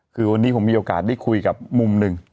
คือวันนี้ผมมีโอกาสได้คุยกับมุมหนึ่ง